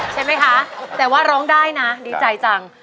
ใช่ไหมคะแต่ว่าร้องได้นะดีใจจัง